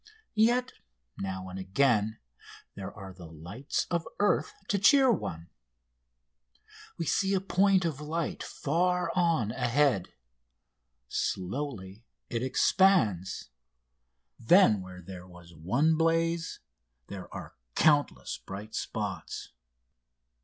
Yet now and again there are the lights of earth to cheer one. We see a point of light far on ahead. Slowly it expands. Then where there was one blaze there are countless bright spots.